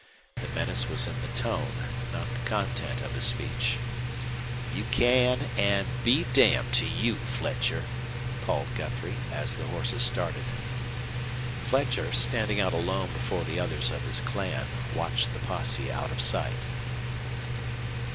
The menace was in the tone, not the content of his speech. "You can an' be damned to you, Fletcher!" called Guthrie, as the horses started. Fletcher, standing out alone before the others of his clan, watched the posse out of sight.